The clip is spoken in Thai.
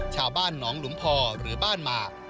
ชาวบ้านหนองหลุมพอหรือบ้านหมาก